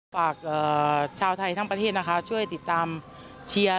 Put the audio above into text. ฝากชาวไทยทั้งประเทศนะคะช่วยติดตามเชียร์